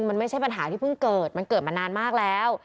มันไม่ใช่ปัญหาที่เพิ่งเกิดมันเกิดมานานมากแล้ว